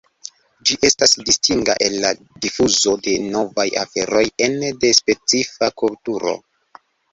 Ĝi estas distinga el la difuzo de novaj aferoj ene de specifa kulturo.